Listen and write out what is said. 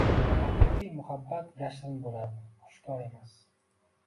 Haqiqiy muhabbat yashirin bo‘ladi, oshkor emas.